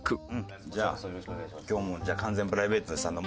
じゃあ今日も完全プライベートでさ飲もう。